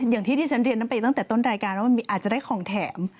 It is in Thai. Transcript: อย่างที่ที่ฉันเรียนนั้นไปตั้งแต่ต้นรายการว่ามันอาจจะได้ของแถม